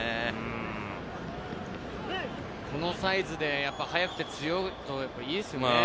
このサイズで速くて強いといいですね。